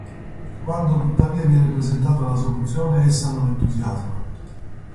Quando tuttavia viene presentata la soluzione, essa non entusiasma.